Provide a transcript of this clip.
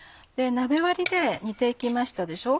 鍋割りで煮て行きましたでしょ？